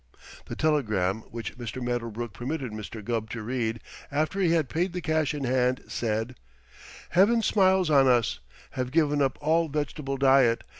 The telegram, which Mr. Medderbrook permitted Mr. Gubb to read after he had paid the cash in hand, said: Heaven smiles on us. Have given up all vegetable diet.